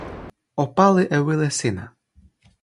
o pali e wile sina.